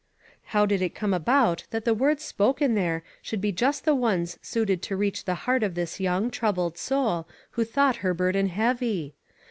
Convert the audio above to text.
How did it come about that the words spoken there should be just the ones suited to reach the heart of this young, troubled soul, who thought her burden heavy?